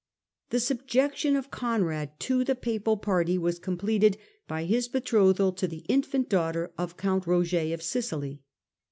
The subjection of Conrad to the papal pai ty was completed by his betro thal to the infant daughter of count Roger of Sicily.